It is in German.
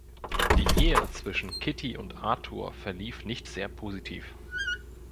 Die Ehe zwischen Kitty und Arthur verlief nicht sehr positiv.